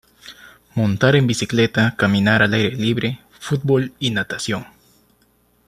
Montar en bicicleta, caminar al aire libre, futbol y natación.